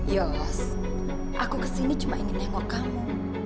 yoos aku ke sini cuma ingin nengok kamu